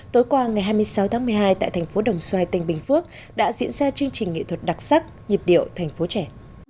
tối qua ngày hai mươi sáu tháng một mươi hai tại thành phố đồng xoài tỉnh bình phước đã diễn ra chương trình nghệ thuật đặc sắc nhịp điệu thành phố trẻ